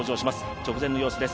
直前の様子です。